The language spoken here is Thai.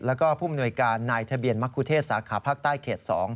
แล้วก็ผู้มนวยการนายทะเบียนมะคุเทศสาขาภาคใต้เขต๒